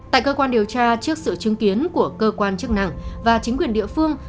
tại cơ quan điều tra trước sự chứng kiến của cơ quan chức năng và chính quyền địa phương